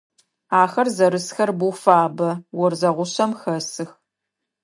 Ахэр зэрысхэр боу фабэ, орзэ гъушъэм хэсых.